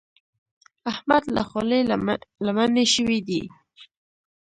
احمد له خولې له لمنې شوی دی.